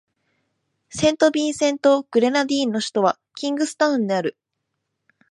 セントビンセント・グレナディーンの首都はキングスタウンである